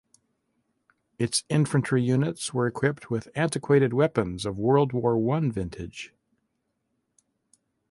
Its infantry units were equipped with antiquated weapons of World War One vintage.